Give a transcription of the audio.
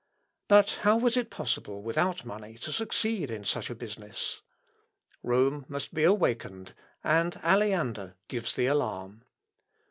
But how was it possible without money to succeed in such a business? Rome must be awakened, and Aleander gives the alarm.